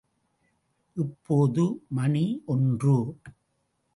இப்போது மணி ஒன்று.